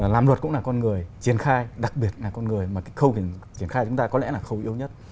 làm luật cũng là con người triển khai đặc biệt là con người mà cái khâu triển khai chúng ta có lẽ là khâu yếu nhất